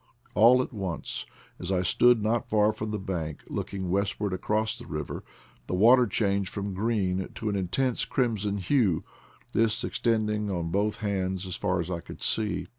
All at once, as I stood not far from the bank, looking westward across the rivei^ the water changed from green to an in tense crimson hue, this extending on both hands as far as I could see.